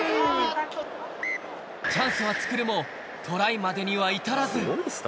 チャンスは作るもトライまでには至らず。